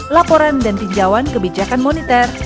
laporan dan tinjauan kebijakan moneter